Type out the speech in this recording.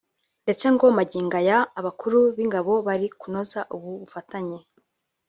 ndetse ngo magingo aya abakuru b’ingabo bari kunoza ubu bufatanye